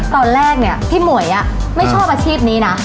ตอนแรกเนี่ยพี่หมวยไม่ชอบอาชีพนี้นะ